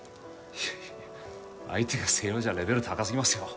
いやいや相手が星葉じゃレベル高すぎますよ